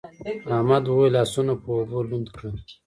احمد وويل: لاسونه په اوبو لوند کړه.